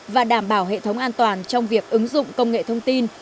và đảm bảo hệ thống an toàn trong việc ứng dụng công nghệ thông tin